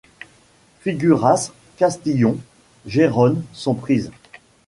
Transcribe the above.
Figueras, Castillon, Gérone sont prises.